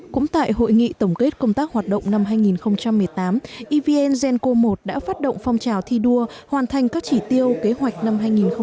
cũng tại hội nghị tổng kết công tác hoạt động năm hai nghìn một mươi tám evn genco i đã phát động phong trào thi đua hoàn thành các chỉ tiêu kế hoạch năm hai nghìn một mươi chín